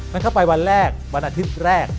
เข้าไปวันแรกวันอาทิตย์แรก